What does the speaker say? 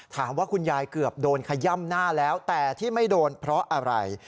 คุณยายเกือบโดนขย่ำหน้าแล้วแต่ที่ไม่โดนเพราะอะไร